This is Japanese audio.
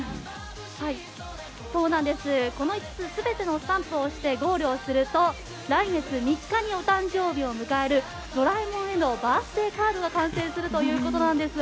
この５つ全てのスタンプを押してゴールをすると来月３日にお誕生日を迎えるドラえもんへのバースデーカードが完成するということなんです。